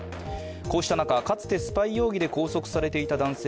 こうした中、かつてスパイ容疑で拘束されていた男性